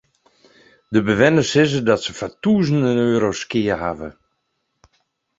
De bewenners sizze dat se foar tûzenen euro's skea hawwe.